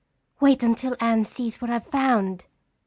"Wait until Anne sees what I've found!"